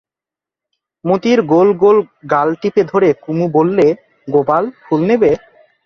মোতির গোল গোল গাল টিপে ধরে কুমু বললে, গোপাল, ফুল নেবে?